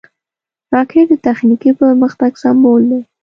راکټ د تخنیکي پرمختګ سمبول دی